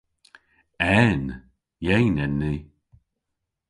En! Yeyn en ni.